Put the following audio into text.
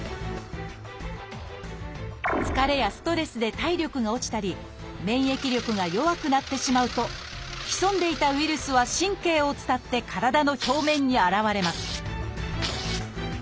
疲れやストレスで体力が落ちたり免疫力が弱くなってしまうと潜んでいたウイルスは神経を伝って体の表面に現れます